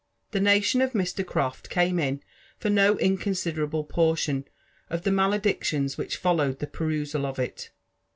The nation of Mr. Croft came in for no inconsiderable portion of the maledictions which followed the perusal of it.